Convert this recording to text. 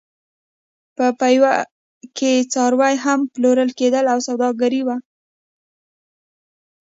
په پېوه کې څاروي هم پلورل کېدل او سوداګري وه.